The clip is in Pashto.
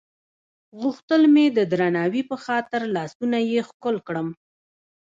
غوښتل مې د درناوي په خاطر لاسونه یې ښکل کړم.